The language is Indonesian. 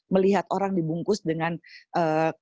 melihat orang dibungkus dengan kain jarik